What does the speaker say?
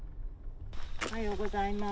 おはようございます。